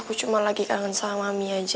aku cuma lagi kangen sama mie aja